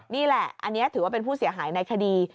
นี่แหละอันนี้ถือว่าเป็นผู้เสียหายในคดี